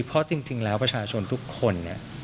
เพราะจริงแล้วประชาธินที่ทุกคน